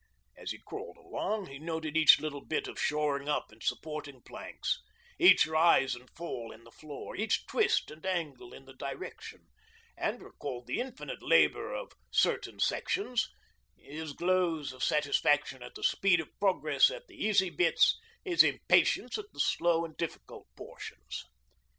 As he crawled along, he noted each little bit of shoring up and supporting planks, each rise and fall in the floor, each twist and angle in the direction, and recalled the infinite labour of certain sections, his glows of satisfaction at the speed of progress at the easy bits, his impatience at the slow and difficult portions.